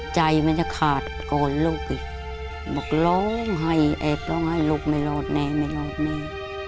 ใจมันจะขาดก่อนลูกอีกบอกร้องไห้แอบร้องไห้ลูกไม่รอดแม่ไม่รอดแม่